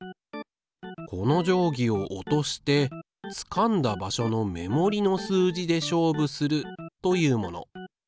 この定規を落としてつかんだ場所の目盛りの数字で勝負するというもの。